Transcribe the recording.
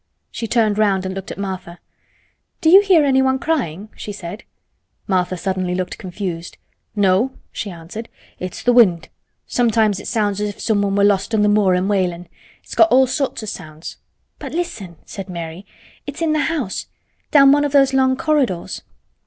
She turned round and looked at Martha. "Do you hear anyone crying?" she said. Martha suddenly looked confused. "No," she answered. "It's th' wind. Sometimes it sounds like as if someone was lost on th' moor an' wailin'. It's got all sorts o' sounds." "But listen," said Mary. "It's in the house—down one of those long corridors."